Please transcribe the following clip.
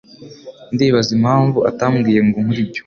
Ndibaza impamvu atambwiye ngo nkore ibyo.